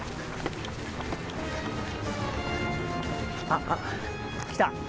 あっ来た！